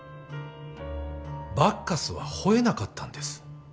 バッカスは吠えなかったんです。